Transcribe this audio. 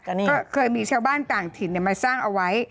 ก็เคยมีเช้าบ้านต่างถิ่นมาสร้างเอาไว้